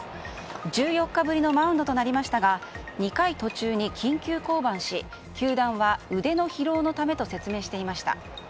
１４日ぶりのマウンドとなりましたが２回途中に緊急登板し球団は腕の疲労のためと説明していました。